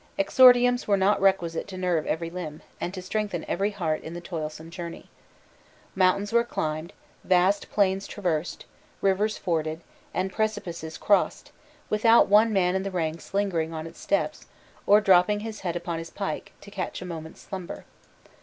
Exordiums were not requisite to nerve every limb, and to strengthen every heart in the toilsome journey. Mountains were climbed, vast plains traversed, rivers forded, and precipices crossed, without one man in the ranks lingering on its steps, or dropping his head upon his pike, to catch a moment's slumber.